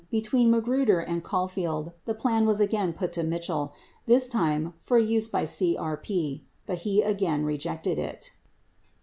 35 687 0 74 4 18 tween Magruder and Caulfield, the plan was again put to Mitchell — this time for use by CRP — but he again rejected it.